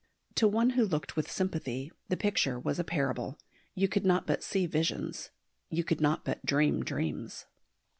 To one who looked with sympathy the picture was a parable. You could not but see visions: you could not but dream dreams.